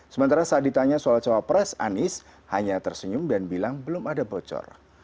sementara saat ditanya soal cawapres anies hanya tersenyum dan bilang belum ada bocor